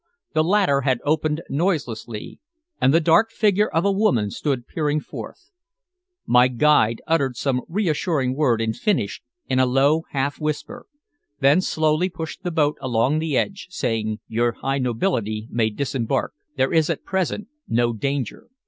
The latter had opened noiselessly, and the dark figure of a woman stood peering forth. My guide uttered some reassuring word in Finnish in a low half whisper, and then slowly pushed the boat along to the ledge, saying: "Your high nobility may disembark. There is at present no danger."